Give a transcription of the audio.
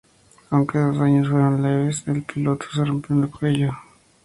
Aunque los daños fueron leves, el piloto se rompió el cuello.